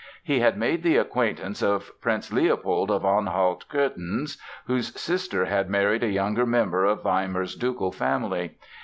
He had made the acquaintance of Prince Leopold of Anhalt Cöthen, whose sister had married a younger member of Weimar's ducal family.